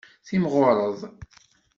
Timɣureḍ.